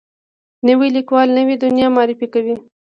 نوی لیکوال نوې دنیا معرفي کوي